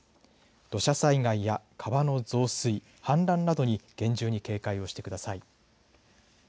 土砂災害や川の増水氾濫などに厳重に警戒をしてください。